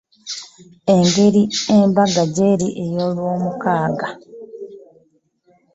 Engeri embaga gye yali ey'Olwomukaaga.